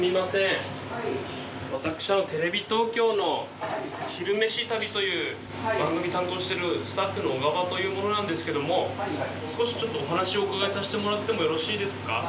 私テレビ東京の「昼めし旅」という番組を担当しているスタッフの小川という者なんですけども少しちょっとお話をおうかがいさせてもらってもよろしいですか？